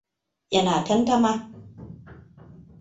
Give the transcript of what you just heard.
Ina tantama.